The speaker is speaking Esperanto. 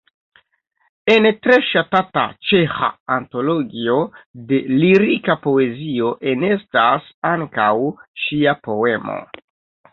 En tre ŝatata ĉeĥa antologio de lirika poezio enestas ankaŭ ŝia poemo.